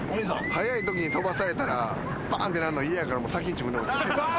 速いときに飛ばされたらバーンってなんの嫌やから先に自分で落ちた。